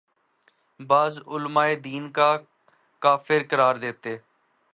بعض علماے دین کافر قرار دیتے